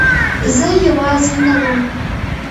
زه یوازې نه وم.